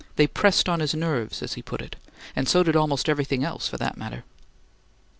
They "pressed on his nerves," as he put it; and so did almost everything else, for that matter.